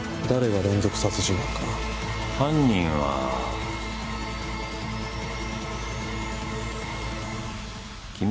誰が連続殺人犯か。